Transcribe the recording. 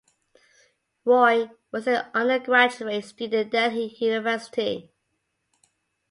Roy was an undergraduate student Delhi University.